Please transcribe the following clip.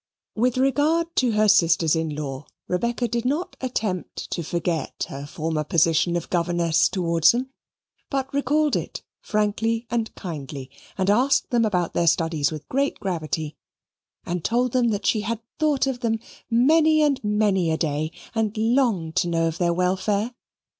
With regard to her sisters in law Rebecca did not attempt to forget her former position of Governess towards them, but recalled it frankly and kindly, and asked them about their studies with great gravity, and told them that she had thought of them many and many a day, and longed to know of their welfare.